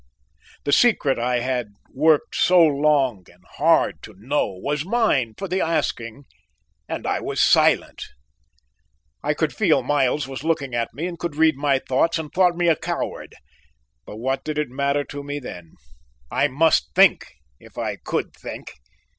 The secret I had worked so long and hard to know was mine for the asking and I was silent. I could feel Miles was looking at me and could read my thoughts and thought me a coward, but what did it matter to me then? I must think if I could think.